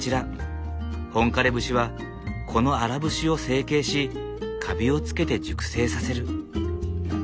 本枯節はこの荒節を整形しかびをつけて熟成させる。